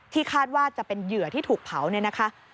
คาดว่าจะเป็นเหยื่อที่ถูกเผาเนี่ยนะคะ